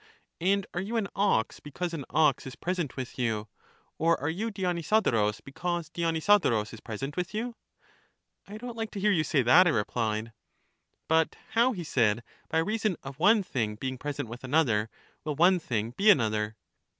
And are you an ox because an ox is present with you, or are you Dionysodorus, because Dionysodorus is present with you? I don't like to hear you say that, I replied. But how, he said, by reason of one thing being pres ent with another, will one thing be another?